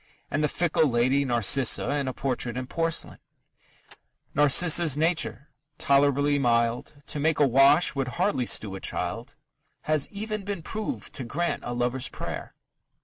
And the fickle lady, Narcissa, is a portrait in porcelain: Narcissa's nature, tolerably mild, To make a wash, would hardly stew a child; Has even been proved to grant a lover's prayer.